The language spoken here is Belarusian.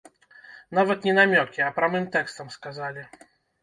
Нават не намёкі, а прамым тэкстам сказалі.